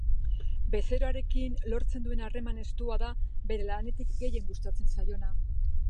Bezeroarekin lortzen duen harreman estua da bere lanetik gehien gustatzen zaiona.